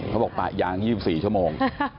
เขาบอกปะยัง๒๔ชั่วโมง